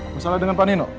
masalah dengan pak nino